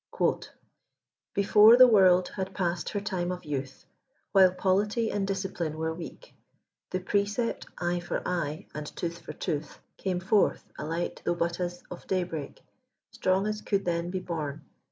« Before the world had passM her time of youth. While polity aod discipline were weak, The precept, eye for eye and tooth for toothy Came forth — a light, though hut as of day hreak. Strong as could then be borne.